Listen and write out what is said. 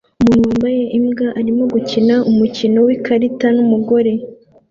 Umuntu wambaye imbwa arimo gukina umukino wikarita numugore